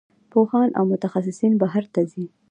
پوهان او متخصصین بهر ته ځي.